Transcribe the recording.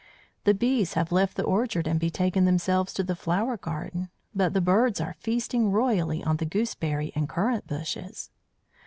The bees have left the orchard and betaken themselves to the flower garden, but the birds are feasting royally in the gooseberry and currant bushes.